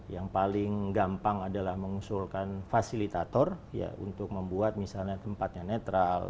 yang paling gampang adalah mengusulkan fasilitator untuk membuat misalnya tempatnya netral